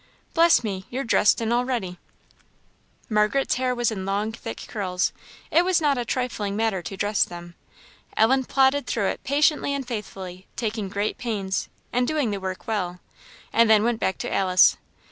Bless me! you're dressed and all ready." Margaret's hair was in long, thick curls; it was not a trifling matter to dress them. Ellen plodded through it patiently and faithfully, taking great pains, and doing the work well, and then went back to Alice.